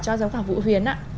cho giám khảo vũ huyến